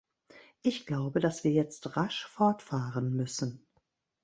Ich glaube, dass wir jetzt rasch fortfahren müssen.